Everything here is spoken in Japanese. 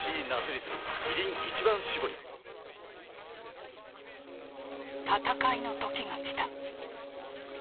キリン「一番搾り」戦いのときがきた。